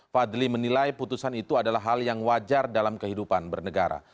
fadli menilai putusan itu adalah hal yang wajar dalam kehidupan bernegara